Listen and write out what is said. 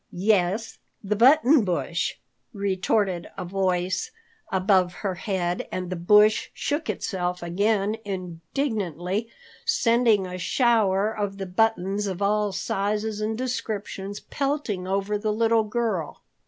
"Yes, the Button Bush," retorted a voice above her head, and the Bush shook itself again indignantly, sending a shower of the buttons of all sizes and descriptions pelting over the little girl.